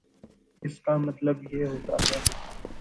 اس کا مطلب یہ ہوتا ہے